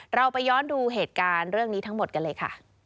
เราไปย้อนดูเหตุการณ์เรื่องนี้ทั้งหมดกันเลยค่ะ